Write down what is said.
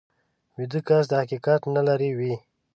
ویده کس د حقیقت نه لرې وي